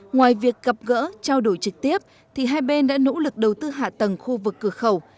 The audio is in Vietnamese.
ngoài việc gặp gỡ trao đổi trực tiếp thì hai bên đã nỗ lực đầu tư hạ tầng khu vực cửa khẩu